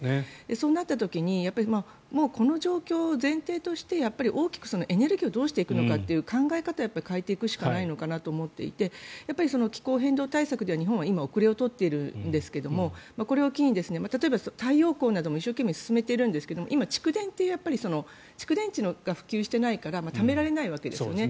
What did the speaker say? そうなった時にこの状況を前提として大きく、エネルギーをどうしていくのかという考え方を変えていくしかないのかなと思っていてやっぱり気候変動対策では日本は遅れをとっているんですがこれを機に、例えば太陽光なども一生懸命進めているんですけど今、蓄電って蓄電池が普及していないからためられないわけですよね。